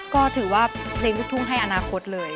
ก็ถือว่าเพลงลูกทุ่งให้อนาคตเลย